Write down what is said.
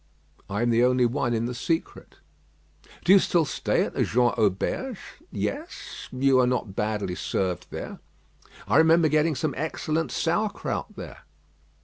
"I am the only one in the secret." "Do you still stay at the Jean Auberge?" "Yes: you are not badly served there." "I remember getting some excellent sour krout there."